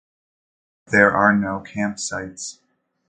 There are no campsites.